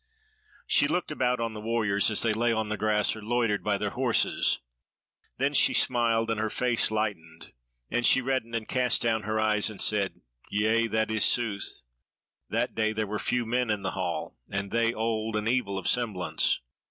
She looked about on the warriors as they lay on the grass or loitered by their horses; then she smiled, and her face lightened, and she reddened and cast down her eyes and said: "Yea, that is sooth; that day there were few men in the hall, and they old and evil of semblance.